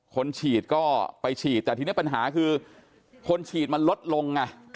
คนฉีดก็ไปฉีดแต่ทีนี้ปัญหาคือคนฉีดมันลดลงไง